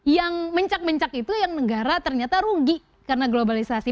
yang mencak mencak itu yang negara ternyata rugi karena globalisasi